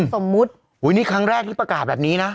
สมมุติอุ้ยนี่ครั้งแรกที่ประกาศแบบนี้นะ